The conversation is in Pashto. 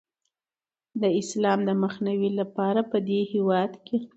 د اسلام د مخنیوي لپاره پدې هیواد کې